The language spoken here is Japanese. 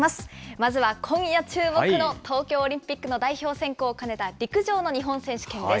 まずは今夜注目の東京オリンピックの代表選考を兼ねた陸上の日本選手権です。